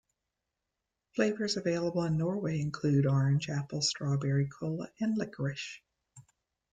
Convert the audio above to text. Flavors available in Norway include orange, apple, strawberry, cola and licorice.